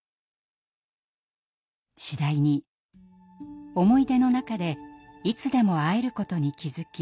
次第に思い出の中でいつでも会えることに気付き